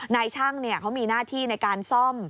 นายช่างเขามีหน้าที่ในการซ่อม